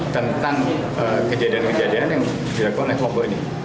tentang kejadian kejadian yang dilakukan oleh kelompok ini